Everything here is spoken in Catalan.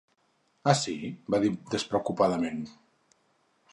"Ah, sí", va dir despreocupadament.